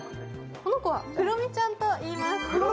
この子はクロミちゃんといいます。